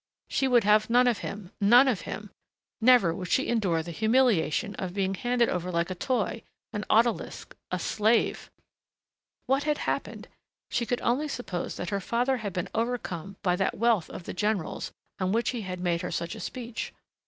She would have none of him ... none of him.... Never would she endure the humiliation of being handed over like a toy, an odalisque, a slave.... What had happened? She could only suppose that her father had been overcome by that wealth of the general's on which he had made her such a speech.